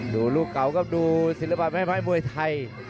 ดูลูกเก่าก็ดูศิลปะแม่ไหม้มวยไทย